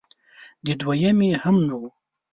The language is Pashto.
د دویمې هم نه و